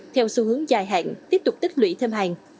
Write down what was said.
theo xu hướng dài hạn tiếp tục tích lũy thêm hàng